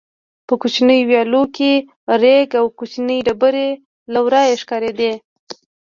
په کوچنیو ویالو کې رېګ او کوچنۍ ډبرې له ورایه ښکارېدې.